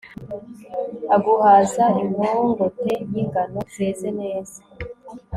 aguhaza inkongote y'ingano zeze neza